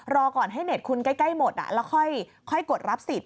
รอก่อนให้เน็ตคุณใกล้หมดแล้วค่อยกดรับสิทธิ